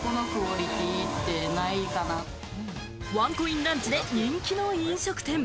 ワンコインランチで人気の飲食店。